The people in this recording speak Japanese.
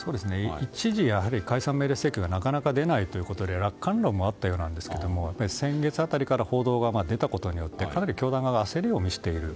一時、解散命令請求がなかなか出ないということで楽観論もあったようですが先月辺りから報道が出たことによってかなり教団側が焦りを見せている。